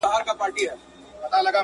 پر لمن د کوه طور به بیرغ پورته د موسی سي.